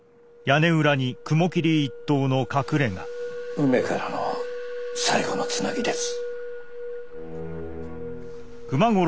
梅からの最後のつなぎです。